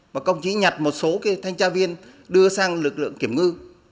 mà công chí nhặt một số cái thanh tra viên đưa sang lực lượng kiểm ngư